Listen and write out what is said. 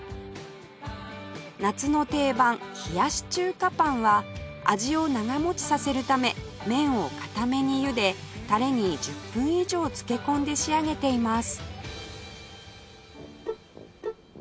夏の定番冷やし中華パンは味を長持ちさせるため麺を硬めにゆでたれに１０分以上漬け込んで仕上げています